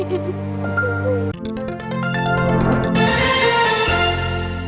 มันตื่นเต้น